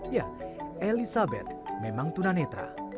ya elizabeth memang tunanetra